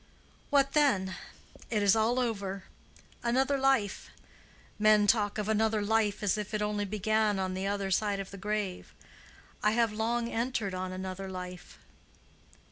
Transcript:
What then? It is all over. Another life! Men talk of 'another life,' as if it only began on the other side of the grave. I have long entered on another life."